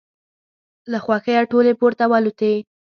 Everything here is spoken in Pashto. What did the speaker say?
له خوښیه ټولې پورته والوتلې.